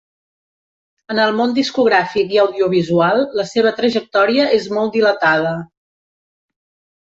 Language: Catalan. En el món discogràfic i audiovisual, la seva trajectòria és molt dilatada.